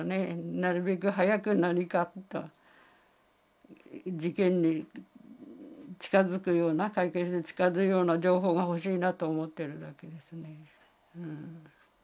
なるべく早く、何か事件に近づくような、解決に近づくような情報が欲しいなと思っているわけですね。